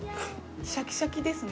シャキシャキですね。